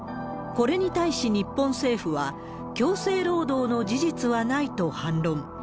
これに対し日本政府は、強制労働の事実はないと反論。